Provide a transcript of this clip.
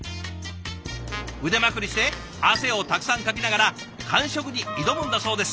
腕まくりして汗をたくさんかきながら完食に挑むんだそうです。